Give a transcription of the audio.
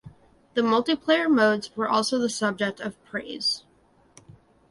The multiplayer modes were also the subject of praise.